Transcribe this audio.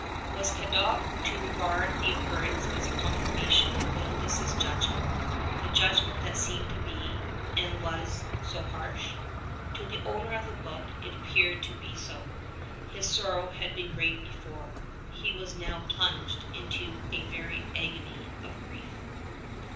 Was Cadoc to regard the occurrence as a confirmation of Gildas's judgment — the judgment that seemed to be, and was, so harsh? To the owner of the book it appeared to be so. His sorrow had been great before: he was now plunged into a very agony of grief.